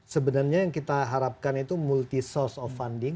sebenarnya yang kita harapkan itu multi source of funding